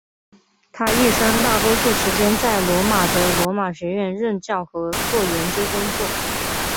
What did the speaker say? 他一生大多数时间在罗马的罗马学院任教和做研究工作。